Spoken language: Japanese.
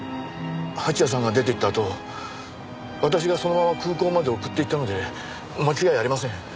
蜂矢さんが出て行ったあと私がそのまま空港まで送っていったので間違いありません。